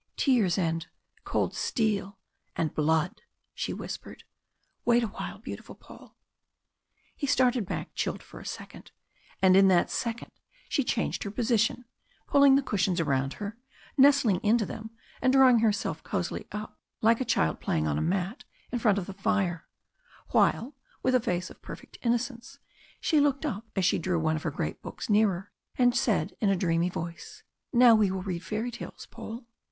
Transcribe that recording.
Tears and cold steel and blood!" she whispered. "Wait a while, beautiful Paul!" He started back chilled for a second, and in that second she changed her position, pulling the cushions around her, nestling into them and drawing herself cosily up like a child playing on a mat in front of the fire, while with a face of perfect innocence she looked up as she drew one of her great books nearer, and said in a dreamy voice: "Now we will read fairy tales, Paul."